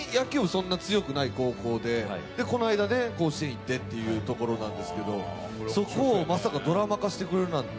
そんなに強くない高校でこの間、甲子園に行ってというところなんですけど、そこをまさかドラマ化してくれるなんて。